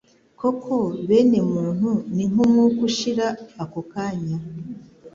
Koko bene muntu ni nk’umwuka ushira ako kanya